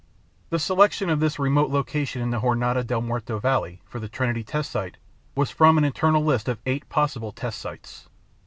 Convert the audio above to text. The selection of this remote location in the Jornada del Muerto Valley for the Trinity test was from an initial list of eight possible test sites.